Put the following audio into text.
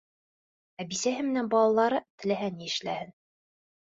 Ә бисәһе менән балалары теләһә ни эшләһен!